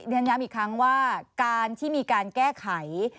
เรียนย้ำอีกครั้งว่าการที่มีการแก้ไข